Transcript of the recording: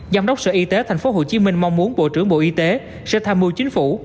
giám đốc sở y tế tp hcm mong muốn bộ trưởng bộ y tế sẽ tham mưu chính phủ